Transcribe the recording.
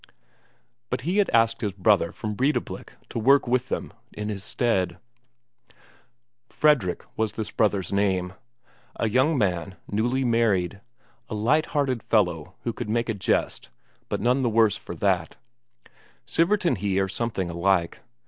But he had asked his brother from Breidablik to work with them in his stead. Fredrik was this brother's name. A young man, newly married, a light hearted fellow who could make a jest, but none the worse for that; Sivert and he are something alike.